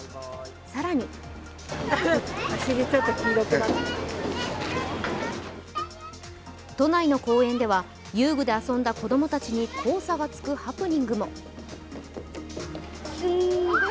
更に都内の公園では遊具で遊んだ子供たちに黄砂がつくハプニングも。